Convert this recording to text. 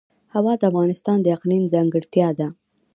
هوا د افغانستان د اقلیم ځانګړتیا ده.